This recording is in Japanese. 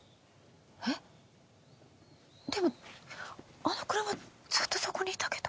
えっでもあの車ずっとそこにいたけど。